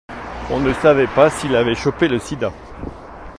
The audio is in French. On ne savait pas s'il avait chopé le sida.